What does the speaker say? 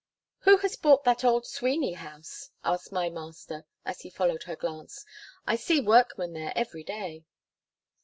"Who has bought that old Sweeney house?" asked my Master, as he followed her glance. "I see workmen there every day."